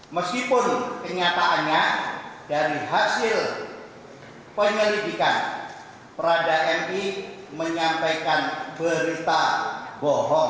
meskipun kenyataannya dari hasil penyelidikan prada mi menyampaikan berita bohong